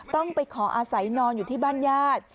ต้องไปขออาศัยนอนอยู่ที่บ้านญาติ